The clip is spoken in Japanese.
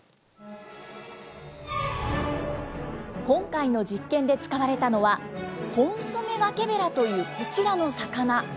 今回の実験で使われたのは、ホンソメワケベラというこちらの魚。